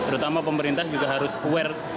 terutama pemerintah juga harus aware